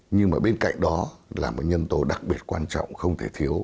nhưng mà bên cạnh đó là một nhân tố đặc biệt quan trọng không thể thiếu